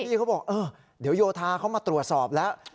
พี่เขาบอกเดี๋ยวโยทาเข้ามาตรวจสอบแล้ว